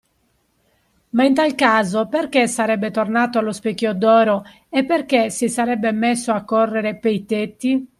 Ma in tal caso perché sarebbe tornato allo Specchio d’Oro e perché si sarebbe messo a correre pei tetti?